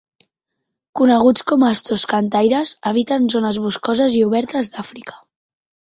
Coneguts com a astors cantaires, habiten zones boscoses i obertes d'Àfrica.